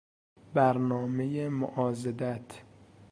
برنامهی معاضدت